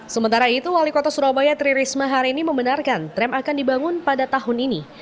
sementara itu wali kota surabaya tri risma hari ini membenarkan tram akan dibangun pada tahun ini